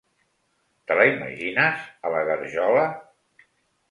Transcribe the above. Te la imagines, a la garjola?